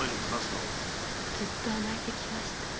ずっと甘えてきました。